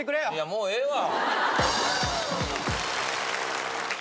もうええわ。